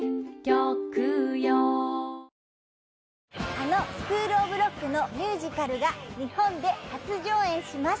あの「スクールオブロック」のミュージカルが日本で初上演します